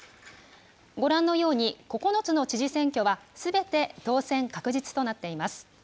ご覧のように９つの知事選挙は、すべて当選確実となっています。